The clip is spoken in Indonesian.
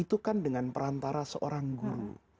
itu kan dengan perantara seorang guru